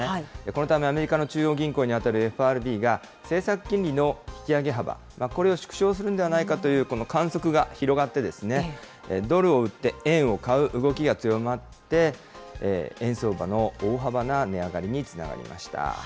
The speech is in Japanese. このため、アメリカの中央銀行に当たるＦＲＢが、政策金利の引き上げ幅、これを縮小するんではないかという観測が広がって、ドルを売って円を買う動きが強まって、円相場の大幅な値上がりにつながりました。